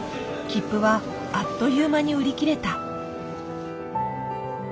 切符はあっという間に売り切れた。